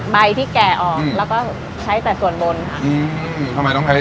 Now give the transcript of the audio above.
ใบที่แก่ออกแล้วก็ใช้แต่ส่วนบนค่ะอืมทำไมต้องใช้ได้